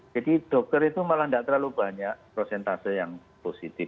jadi dokter itu malah tidak terlalu banyak prosentase yang positif